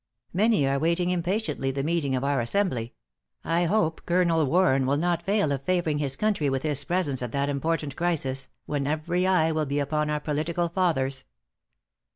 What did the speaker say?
Many are waiting impatiently the meeting of our assembly..... I hope Colonel Warren will not fail of favoring his country with his presence at that important crisis, when every eye will be upon our political fathers."